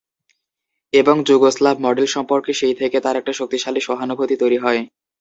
এবং Yugoslav model সম্পর্কে সেই থেকে তাঁর একটা শক্তিশালী সহানুভূতি তৈরি হয়।